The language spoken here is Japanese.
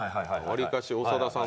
わりかし長田さん